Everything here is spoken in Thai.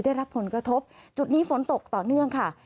ได้รับผลกระทบจุดนี้ฝนตกต่อเนื่องค่ะ